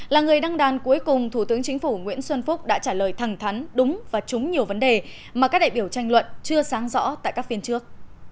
là người đăng đàn cuối cùng thủ tướng chính phủ nguyễn xuân phúc đã trả lời thẳng thắn đúng và trúng nhiều vấn đề mà các đại biểu tranh luận chưa sáng rõ tại các phiên trước